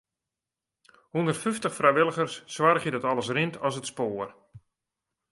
Hûndertfyftich frijwilligers soargje dat alles rint as it spoar.